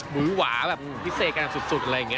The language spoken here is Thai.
บุหรวาพิเศษกันสุดอะไรอย่างเงี้ย